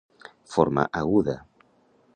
Forma aguda.